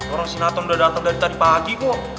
orang sinaton udah dateng dari tadi pagi kok